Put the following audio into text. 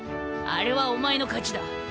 あれはお前の勝ちだ。